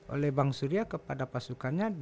oleh bang surya kepada pasukannya